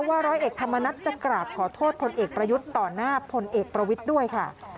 ร้อยเอกธรรมนัฐจะกราบขอโทษพลเอกประยุทธ์ต่อหน้าพลเอกประวิทย์ด้วยค่ะ